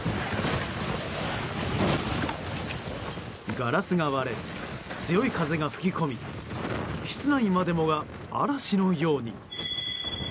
ガラスが割れ、強い風が吹き込み室内までもが嵐のように。